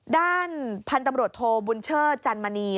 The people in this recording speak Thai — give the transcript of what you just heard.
ด้านพันธุ์ตำรวจโทบุญเชิดจันมณี